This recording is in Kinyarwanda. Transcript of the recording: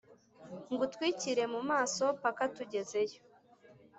ngutwikire mumaso paka tugezeyo